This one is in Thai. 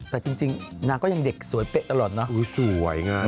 แต่จริงนางก็ยังเด็กสวยเป๊ะตลอดนะสวยไง